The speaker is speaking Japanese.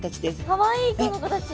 かわいいこの子たち。